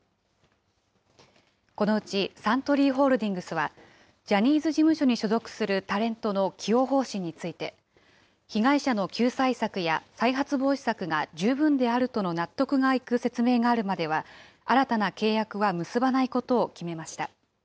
このうちサントリーホールディングスは、ジャニーズ事務所に所属するタレントの起用方針について、被害者の救済策や再発防止策が十分であるとの納得がいく説明があるまでは、新たな契約は結ばないことを決めました。